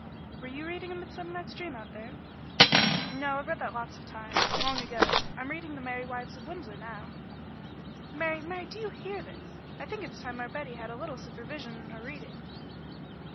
"Were you reading 'Midsummer Night's Dream' out there?" "No, I've read that lots of times long ago. I'm reading 'The Merry Wives of Windsor' now." "Mary, Mary, do you hear this? I think it's time our Betty had a little supervision in her reading."